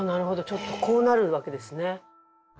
ちょっとこうなるわけですね。